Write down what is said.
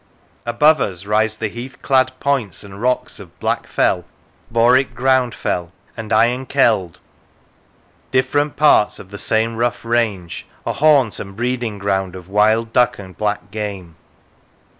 ... Above us rise the heath clad points and rocks of Black Fell, Borwick Ground Fell, and Iron Keld, different parts of the same rough range, a haunt and breeding ground of wild duck and black game.